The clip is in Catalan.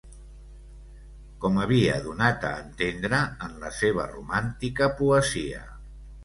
...com havia donat a entendre, en la seva romàntica poesia